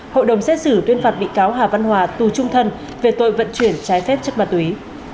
hội đồng xét xử tuyên phạt bị cáo hà văn hòa tù trung thân về tội vận chuyển trái phép chất ma túy